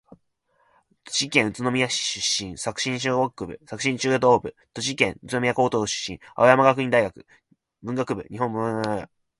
栃木県宇都宮市出身。作新学院小学部、作新学院中等部、栃木県立宇都宮高等学校、青山学院大学文学部日本文学科卒業。